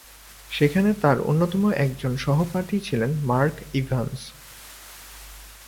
সেখানে তার অন্যতম একজন সহপাঠী ছিলেন মার্ক ইভান্স।